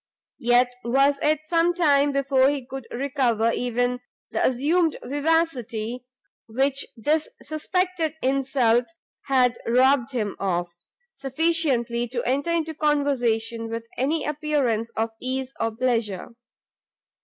Yet was it some time before he could recover even the assumed vivacity which this suspected insult had robbed him of, sufficiently to enter into conversation with any appearance of ease or pleasure.